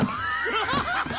アッハハハ！